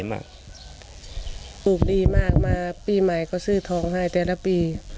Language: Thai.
ผมถูกดีมากมาปีก็ซื้อทองให้แต่ละปี